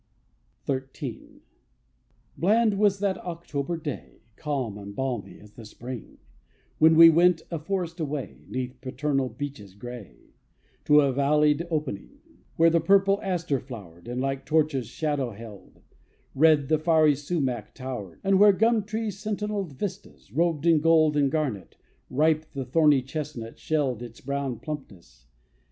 XIII. Bland was that October day, Calm and balmy as the spring, When we went a forest way, 'Neath paternal beeches gray, To a valleyed opening: Where the purple aster flowered, And, like torches shadow held, Red the fiery sumach towered; And, where gum trees sentineled Vistas, robed in gold and garnet, Ripe the thorny chestnut shelled Its brown plumpness.